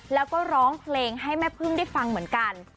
แล้วก็ร้องเพลงให้แม่พึ่งได้ฟังเหมือนกัน